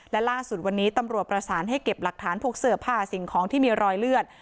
และล่าสุดวันนี้ตำรวจประสานให้เก็บหลักฐานพวกเสื้อผ้าสิ่งของที่มีรอยเลือด